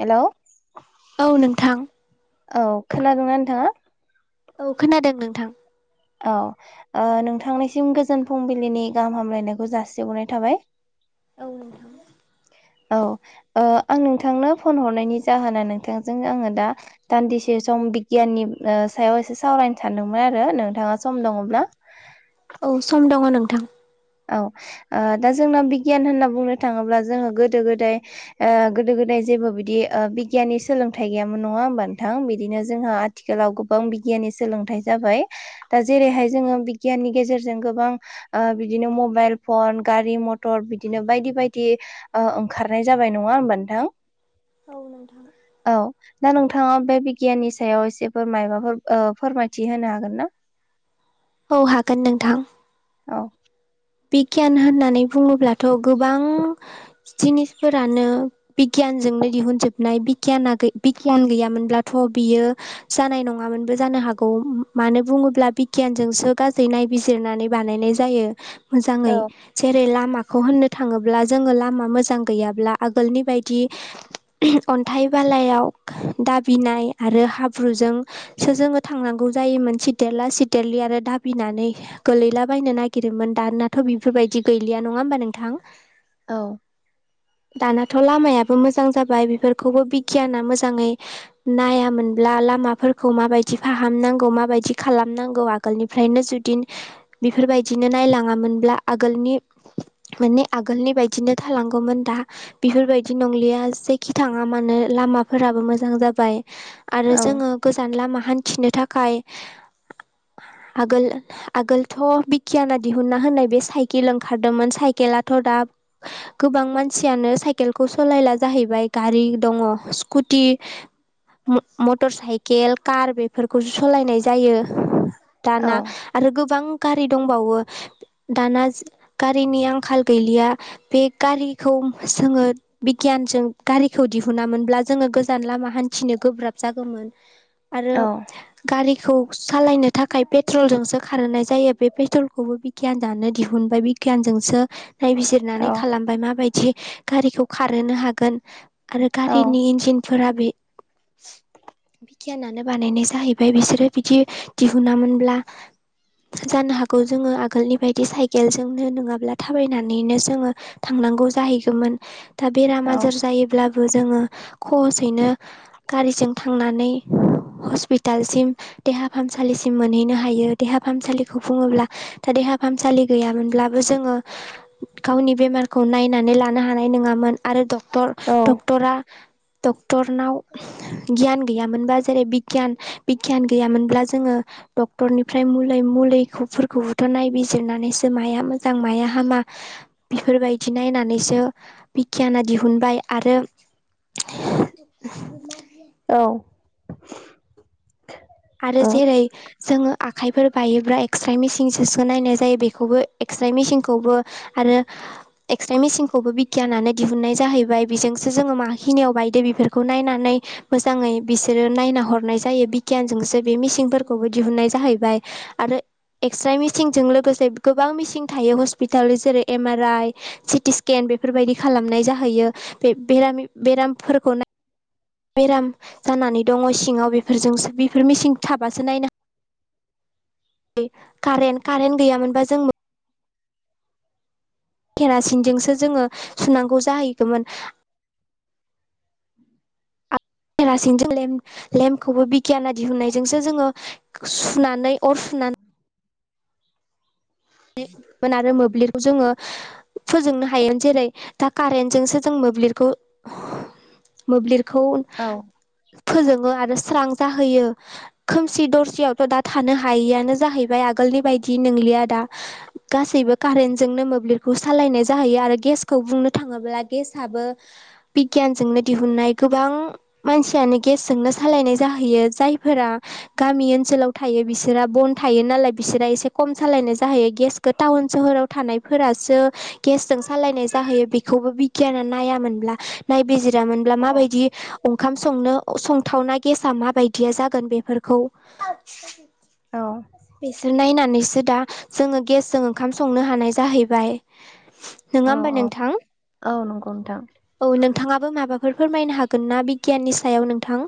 Hello औ नोंथां औ खोनादोंना नोंथाङा? औ खोनादों नोंथां। औ नोंथांनिसिम गोजोन फुंबिलिनि गाहाम हामलायनायखौ जासिबरनाय थाबाय। औ नोंथां। औ आं नोंथांनो फन हरनायनि जाहोना नोंथांजोंनो आङो दा दान्दिसे सम बिगियाननि सायाव एसे सावरायनो सानदोंमोन आरो नोंथाङा सम दङब्ला औ सम दङ नोंथां। औ दा जोंना बिगियान होनना बुंनो थाङोब्ला जोङो गोदो गोदाय गोदो गोदाय जेबो बिदि बिगियाननि सोलोंथाइ गैयामोन नङा होमबा नोंथां बिदिनो जोंहा आथिखालाव गोबां बिगियाननि सोलोंथाइ जाबाय। दा जेरैहाय जोङो बिगियाननि गेजेरजों गोबां ओ बिदिनो मबाइल फन गारि मथर बिदिनो बायदि बायदि। ओंखारनाय जाबाय नङा होमबा नोंथां। औ नोंथां। औ दा नोंथाङा बे बिगियाननि सायाव एसेफोर माबाफोर फोरमायथि होनो हागोन ना? औ हागोन नोंथां। औ बिगियान होननानै बुङोब्लाथ' गोबां जिनिसफोरानो बिगियानजोंनो दिहुनजोबनाय बिगियाना बिगियान गैयामोनब्लाथ' बियो जानाय नङामोनबो जानो हागौ मानो बुङोब्ला बिगियानजोंसो गाज्रि नाय बिजिरनानै बानायनाय जायो मोजाङै औ जेरै लामाखौ होननो थाङोब्ला जोङो लामा मोजां गैयाब्ला आगोलनि बायदि अन्थाइ बालायाव दाबिनाय आरो हाब्रुजों सो जोङो थांनांगौ जायोमोन सिथेरला सिथेरलि आरो दाबिनानै गोलैलाबायनो नागिरोमोन दानाथ' बेफोरबायदि गैलिया नङा होमबा नोंथां? औ दानाथ' लामायाबो मोजां जाबाय बेफोरखौबो बिगियाना मोजाङै नायामोनब्ला लामाफोरखौ माबायदि फाहामनांगौ माबायदि खालामनांगौ आ गोलनिफ्रायनो जुदि बेफोरबायदिनो नायलाङामोनब्ला आगोलनि माने आगोलनि बायदिनो थालांगौमोन दा बेफोरबायदि नंलिया जेखि थाङा मानो लामाफोराबो मोजां जाबाय। आरो औ जोङो गोजान लामा हान्थिनो थाखाय आगोल आगोलथ बिगियाना दिहुना होननाय बे साइकेल ओंखारदोंमोन साइकेलाथ' दा गोबां मानसियानो साइकेलखौ सालायला जाहैबाय गारि दङ स्कुटि मटर साइकेल कार बेफोरखौसो सालायनाय जायो। औ दाना आरो गोबां गारि दंबावो दाना गारिनि आंखाल गैलिया बे गारिखौ जोङो बिगियानजों गारिखौ दिहुनामोनब्ला जोङो गोजान लामा हान्थिनो गोब्राब जागौमोन आरो औ गारिखौ सालायनो थाखाय पेट्रलजोंसो खारहोनाय जायो बे पेट्रल खौबो बिगियान जानो दिहुनबाय बिगियानजोंसो नायबिजिरनानै औ खालामबाय माबायदि गारिखौ खारहोनो हागोन आरो गारिनि इन्जिनफोरा बे बिगियानानो बानायनाय जाहैबाय बिसोरो बिदि दिहुनुनामोनब्ला जानो हागौ जोङो आगोलनि बायदि साइकेलजोंोंनो नङाब्ला थाबायनानैनो जोङो थांनांगौ जाहैगौमोन दा बेराम औ आजार जायोब्लाबो जोङो खहसैनो गारिजों थांनानै हसपि टालसिम देहा फाहामसालिसिम मोनहैनो हायो देहा फाहामसालिखौ बुङोब्ला दा देहा फाहामसालि गैयामोनब्लाबो जोङो गावनि बेमार खौ नायनानै लानो हानाय नङामोन आरो डक्टर औ डक्टरा डक्टरनाव गियान गैयामोनबा जेरै बिगियान बिगियान गैयामोनब्ला जोङो डक्टरनिफ्राय मुलै मुलिखौ खौबुथ' नायबिजिरनानैसो माया मोजां माया हामा बिफोरबायदि नायनानैसो बिगियाना दिहुनबाय आरो [inaudible] औ आरो ओ जेरै जोङो आखाइफोर बायोब्ला एक्स्रे मेसिनजोसो नायनाय जायो बेखौबो एक्स्रे मेसिनखौबो आरो एक्सरे मेसिनखौबो बिगियानानो दिहुननाय जाहैबाय बेजोंसो जोङो माखिनियाव बायदो बेफोरखौ नायनानै मोजाङै बिसोरो नायना हरनाय जायो बिगि यानजोंसो बे मिसिंफोरखौबो दिहुननाय जाहैबाय आरो एक्सरे मेसिनजों लोगोसे गोबां मेचिन थायो हस्पिटाल जेरै M R I CT scan बेफोरबायदि खालामनाय जाहैयो बेरामि बेरामफोरखौ बेराम जानानै दङ सिङाव बेफोरजोंसो बेफोर मेसिं थाबासो नायना कारेन्ट कारेन्ट गैयामोनबा जों केेरासिनजोंसो जोङो सुनांगौ जाहैगौमोन। केरासिनजों लेम लेमखौबो बिगियान दिहुननायजोंसो जोङो सुनानै अर सुना [unintelligible] आरो मोब्लिबखौ जोङो फोजोंनो हायो जेरै दा कारेन्टजोंसो जों मोब्लिबखौ मोब्लिबखौ औ फोजोङो आरो स्रां जाहोयो। खोमसि दरसियावथ' दा थानो हायिआनो जाहैबाय आगोलनि बायदि नंलिया दा। गासैबो कारेन्टजोंनो मोब्लिबखौ सालायनाय जाहैयो आरो गेसखौ बुंनो थाङोब्ला गेसआबो बिगियानजोंनो दिहुननाय गोबां मानसियानो गेसजोंनो सालायनाय जाहैयो जायफोरा गामि ओनसोलाव थायो बिसोरा बन थायो नालाय बिसोरा एसे खम सालायनाय जाहैयो गेसखो टाउन सहराव थानाय फोरासो गेसजों सालायनाय जाहोयो बेखौबो बिगियाना नायामोनब्ला नायबिजिरामोनब्ला माबायदि ओंखाम संनो संथावना गेसा माबायदिया जागोन बेफोरखौ औ बेसोर नायनानैसो दा जोङो गेसजों ओंखाम संनो हानाय जाहैबाय नोङा औ होमबा औ नोंथां औ नंगौ नोंथां औ नोंथाङाबो माबाफोर फोरमायनो हागोन ना बिगियाननि सायाव नोंथां?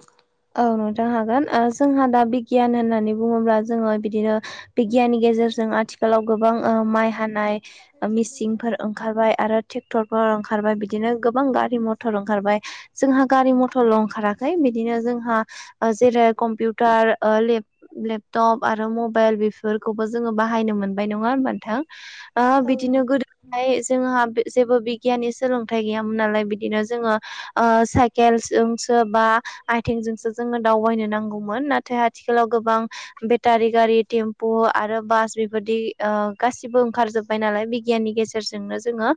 औ नोंथां हागोन ओ जोंहा दा बिगियान होननानै बुङोब्ला जोङो बिदिनो बिगियाननि गेजेरजों आथिखालाव गोबां ओ माइ हानाय ओ मेसिनफोर ओंखारबाय आरो ट्रेक्टरफोर ओंखारबाय बिदिनो गोबां गारि, मथर ओंखारबाय जोंहा गारि, मथरल' ओंखाराखै बिदिनो जोंहा जेरै कम्पिउटार ओ लेप लेपटप आरो मबाइल बेफोरखौबो जोङो बाहायनो मोनबाय नङा होनबानोथां ओ औ नों बिदिनो गोदो हाय जोंहा जेबो बिगियाननि सोलोंथाइ गैयामोन नालाय बिदिनो जोङो ओ साइकेलोंसो बा आथिंजोंसो जोङो दावबायनो नांगौमोन नाथाय आथिखालाव गोबां बेटारि गारि टेम्पु आरो बास बेबादि गासिबो ओंखार जोब नालाय बिगियाननि गेजेरजोंनो जोङो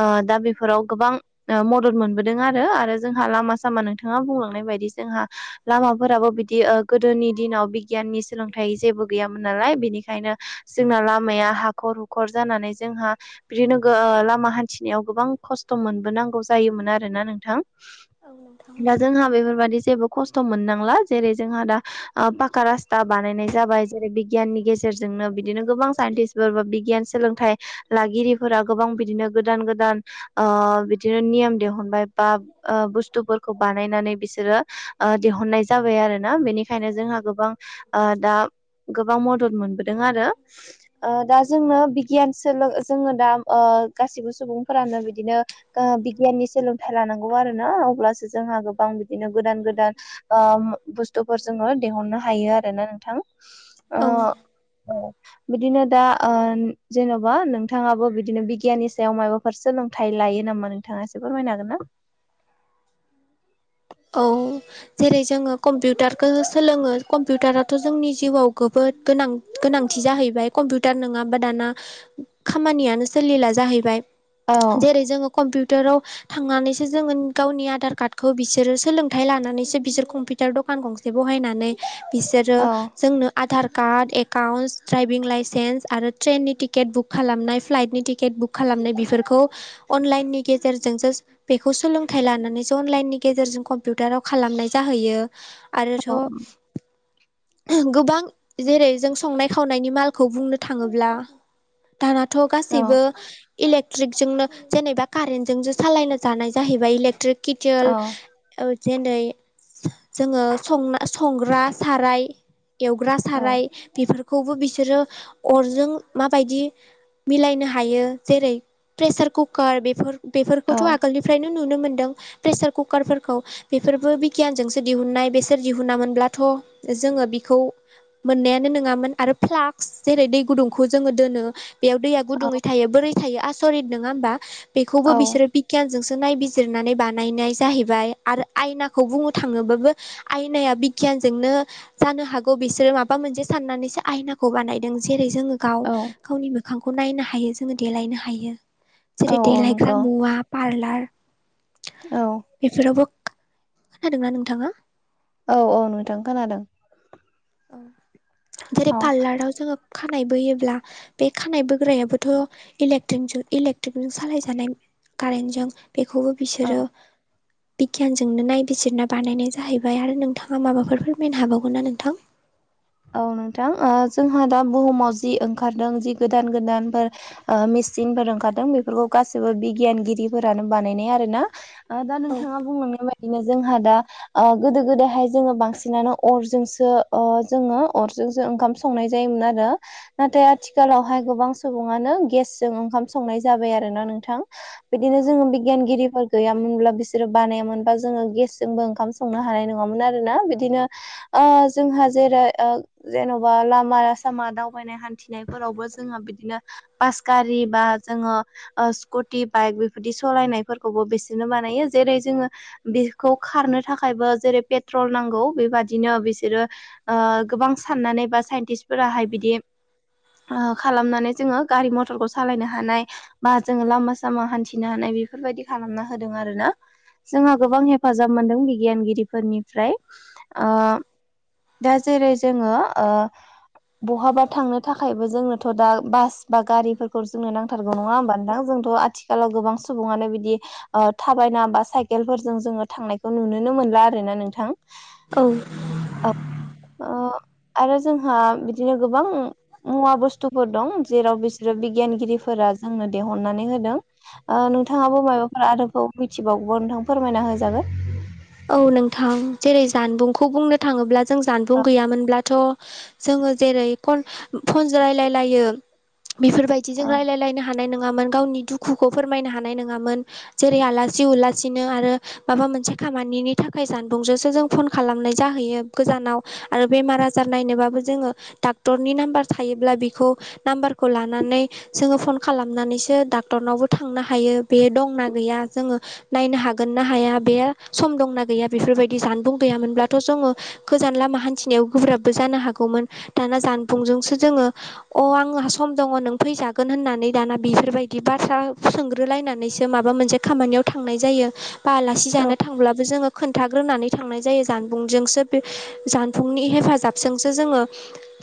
ओ दा बेफोराव गोबां ओ मदद मोनबोदों आरो आरो जोंहा लामा सामा नोंथाङा बुंलांनाय बायदि जोंहा। लामाफोराबो बिदि ओ गोदोनि दिनाव बिगियाननि सोलोंथाइ जेबो गैयामोन नालाय बिनिखायनो जोंना लामाया हाखर हुखर जानानै जोंहा बिदिनो गोओ लामा हान्थिनायाव गोबां खस्थ' मोनबोनांगौ जायोमोन आरोना नोंथां औ नोंथां। दा जोंहा बेफोरबाददि जेबो खस्थ' मोननांला जेरै जोंहा दा ओ पाखा रासता बानायनाय जाबाय जेरै बिगियाननि गेजेरजोंनो बिदिनो गोबां साइन्टिस सोरबा बिगियान सोलोंथाइ लागिरिफोरा गोबां बिदिनो गोदान गोदान ओ बिदिनो नियम दिहुनबाय बा ओ बुस्थुफोरखौ बानायनानै बिसोरो ओ दिहुननाय जाबाय आरोना बेनिखायनो जोंहा गोबां ओ दा गोबां मदद मोनबोदों आरो ओ दा जोंनो बिगियान सोल जोङो दा ओ गासिबो सुबुंफोरानो बिदिनो ओ बिगियाननि सोलोंथाइ लानांगौ आरोना अब्लासो जोंहा गोबां बिदि गोदान गोदान ओम बुस्थुफोर जोङो दिहुननो हायो आरोना नोंथां औ ओ बिदिनो दा ओ जेन'बा नोंथाङाबो बिदिनो बिगियाननि सायाव माइबा फोर सोलोंथाइ लायो नामा नोंथाङा एसे फोरमायनो हागोन ना औ जेरै जोङो कम्पिउटारखौ सोलोङो कम्पिउटाराथ' जोंनि जिउआव गोबोद गोनां गोनांथि जाहैबाय कम्पिउटार नङाबा दाना खामानियानो सोलिला जाहैबाय औ जेरै जोङो कम्पिउटाराव थांनानैसो जोङो गावनि आधार कार्डखौ बिस बिसोर सोलोंथाइ लानानैसो बिसोर कम्पि तार दखान गंसे बहायनानै बिसोरो औ जोंनो Aadhaar card accounts, driving licence आरो ट्रेननि टिकेट बुक खालामनाय फ्लाइटनि टिकेट बुक खालामनाय बेफोरखौ अनलाइननि गेजेरजोंसो बेखौ सोलोंथाइ लानानैसो अनलाइनि गेजेरजों कम्पिउटाराव खालामनाय जाहैयो आरोथ' औ गोबां जेरै जों संनाय खावनायनि मालखौ बुंनो थाङोब्ला दानाथ' गासैबो इलेकट्रिक जोंनो जेनेबा कारेन्टजोंसो सालायनो जानाय जाहैबाय इलेकट्रिक के थि अ औ औ औ जेनै जोङो संना संग्रा साराय एवग्रा औ साराय बेफोरखौबो बिसोरो अरजों माबायदि मिलायनो हायो जेरै प्रेसार कुकार बेफोर औ बेफोरखौथ' आगोलनिफ्रायनो नुनो मोनदों प्रेसार कुकारफोरखौ बेफोरबो बिगियानजोंसो दिहुननाय बेसोर दिहुनामोनब्लाथ' जोङो बिखौ मोननायानो नोङामोन आरो फ्लाकस जेरै दै गुदुंखौ जोङो दोनो बेयाव दैया औ गुदुङै थायो बोरै थायो आसरित नोङा होमबा बेखौबो औ बिसोरो गियानजोंसो नायबिजिरनानै बानायनाय जाहैबाय आरो आयनाखौ बुंनो थाङोबाबो आयनाया बिगियानजोंनो जानो हागौ बिसोरो माबा मोनसे साननानैसो आयना खौ बानायदों जेरै जोङो गाव औ गावनि मोखांखौ नायनो हायो जोङो देलायनो हायो औ जेरै औ देलाइग्रा नंगौ मुवा पार्लवार औ बेफोरावबो खोनादोंना नोंथाङा औ औ नोंथां खोनादों ओ जेरै औ पार्लराव जोङो खानाय बोयोब्ला बे खानाय बोग्रायाबोथ' इलेक्ट्रिंकजों इलेक्ट्रिकजों सालायजानाय कारेन्टजों बेखौबो औ बिसोरो बिगियानजोंनो नायबिजिरना बानायनाय जाहैबाय आरो नोंथाङा माबाफोर फोरमायनो हाबावगोनना नोंथां औ नोंथां ओ जोंहा दा बुहुमाव जि ओंखारदों जि गोदान गोदानफोर ओ मेसिनफोर ओंखारदों बेफोरखौ गासैबो बिगियानगिरिफोरानो बानायनाय आरोना दा दा औ नोंथाङा बुंलांनाय बायदिनो जोंहा दा ओ गोदो गोदायहाय जोङो बांसिनानो अरजोंसो जोङो अरजोंसो ओंखाम संनाय जायोमोन आरो नाथाय आथिखालावहाय गोबां सुबुङानो गेसजों ओंखाम संनाय जाबाय आरो ना नोंथां बिदिनो जोङो बिगियानगिरिफोर गैयामोनब्ला बिसोरो बानायामोनबा जोङो गेसजोंबो ओंखाम संनो हानाय नंङामोन आरोना बिदिनो ओ जोंहा जेरै ओ जेन'बा लामा सामा दावबायनाय हान्थिनायफोरावबो जोंहा बिदिनो बास गारि बा जोङो ओ स्कुटि बाइक बेफोरदि स'लायनायफोरखौबो बेसोरनो बानायो जेरै जोङो बेखौ खारनो थाखायबो जेरै पेट्रल नांगौ बेबादिनो बिसोरो ओ गोबां साननानै बा साइन्टिस फोराहाय बिदि ओ खालामनानै जोङो गारि मथरखौ सालायनो हानाय बा जोङो लामा सामा हान्थिनो हानाय बेफोरबायदि खालामना होदों आरो ना जोंहा गोबां हेफाजाब मोनदों बिगियानगिरिफोरनिफ्राय आ दा जेरै जोङो ओ बहाबा थांनो थाखायबो जोंनोथ' दा बास बा गारिफोरखौ जोंनो नांथारगौ नङा होमबा नोंथां जोंथ' आथिखालाव गोबां सुबुङानो बिदि ओ थाबायना बा साइकेलफोरजों जोङो थांनायखौ नुुनोनो मोनला आरो ना नोंथां औ आ आरो जोंहा बिदिनो गोबां मुवा बुस्थुफोर दं जेराव बिसोरो बिगियानगिरिफोरा जोंनो दिहुननानै होदों आ नोंथाङाबो माबाफोर आरोबाव मिथिबावगौबा नोंथांआ फोरमायना होजागोन औ नोंथां जेरै जानबुंखौ बुंनो थाङोब्ला जों औ जानबुं गैयामोनब्लाथ' जोङो जेरै फन फनजों रायलायलायो बेफोरबायदिजों रायलायलायनो हानाय नङामोन गावनि दुखुखौ फोरमायनो हानाय नङामोन जेरै आलासि उलासिनो आरो माबा मोनसे खाम खामानिनि थाखाय सानदुंजोंसो जों फन खालामनाय जाहैयो गोजानाव आरो बेमार आजार नायनोबाबो जोङो डाक्टरनि नाम्बार थायोब्ला बेखौ नाम्बारखौ लानानै जोङो फन खालामनानैसो डाक्टरनावबो थांनो हायो बे दंना गैया जोङो नायनो हागोन ना हाया बे सम दंना गैया बेफोरबायदि जानबुं गैयामोनब्लाथ' जोङो गोजान लामा हान्थिनायाव गोब्राबबो जानो हागौमोन दाना जानबुंजोंसो जोङो अ' आंहा सम दङ नों फैजागोन होननानै दाना बेफोरबायदि बाथ्रा सोंग्रोलायनानैसो माबा मोनसे खामानियाव थांनाय जायो बा आलासि औ जानो थांब्लाबो जोङो खोन्थाग्रोनानै थांनाय जायो जानबुंजोंसो बे जानबुंनि हेफाजाब जोंसो जोङो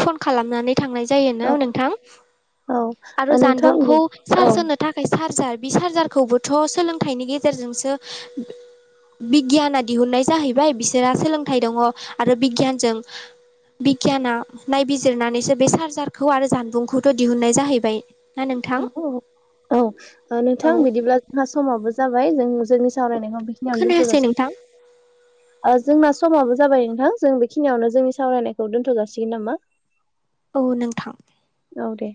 फन खालामनानै थांनाय जायो ना औ नोंथां आरो औ नोंथां जानबुंखौ औ सार्स होनो थाखाय चार्जार बि सार्जारखौबोथ' सोलोंथाइनि गेजेरजोंसो बिगियाना दिहुननाय जाहैबाय बिसोरहा सोलोंथाइ दङ आरो बिगियानजों बिगियाना नायबिजिरनानैसो बे चार्जारखौ आरो जानबुंखौथ' दिहुननाय जाहैबाय ना नोंथां उम औ ओ औ नोंथां बिदिब्ला जोंहा समाबो जाबाय जों जोंनि सावरायनायखौ बे खिनियाव खोनायासै दोनथ'जासिगोन नोंथां ओ जोंना समाबो जाबाय नोंथां जों बेखिनियावनो जोंनि सावरायनायखौ दोनथ'जासिगोन नामा? [inaudible] औ नोंथां औ दे